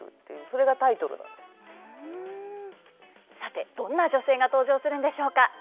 さてどんな女性が登場するんでしょうか？